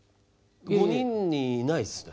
５人にいないっすね。